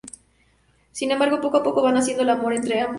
Sin embargo, poco a poco va naciendo el amor entre ambos.